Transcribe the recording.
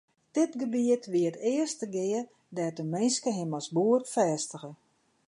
Dit gebiet wie it earste gea dêr't de minske him as boer fêstige.